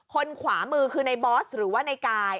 ขวามือคือในบอสหรือว่าในกาย